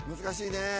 難しいな。